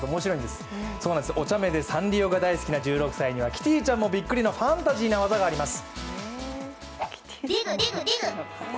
お茶目でサンリオが大好きな１６歳にはキティちゃんもびっくりなファンタジーな技があります。